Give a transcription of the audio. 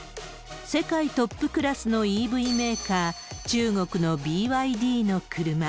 世界トップクラスのＥＶメーカー、中国のＢＹＤの車。